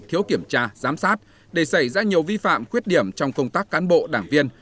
thiếu kiểm tra giám sát để xảy ra nhiều vi phạm khuyết điểm trong công tác cán bộ đảng viên